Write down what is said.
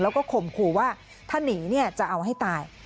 แล้วก็ข่มขู่ว่าถ้าหนีเนี่ยจะเอาให้ตาย